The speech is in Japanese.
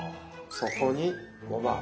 そこにごま油。